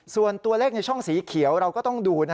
ส่วนตัวเลขในช่องสีเขียวเราก็ต้องดู